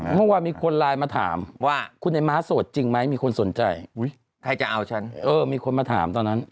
เมื่อวานมีคนไลน์มาถามว่าคุณไอ้ม้าโสดจริงไหมมีคนสนใจใครจะเอาฉันเออมีคนมาถามตอนนั้น